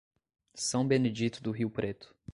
São Benedito do Rio Preto